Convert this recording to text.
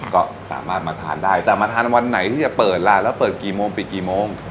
ก็สามารถมาทานได้แต่มาทานวันไหนที่จะเปิดล่ะแล้วเปิดกี่โมงปิดกี่โมง